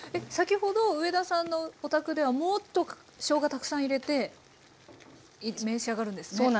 先ほど上田さんのお宅ではもっとしょうがたくさん入れて召し上がるんですね？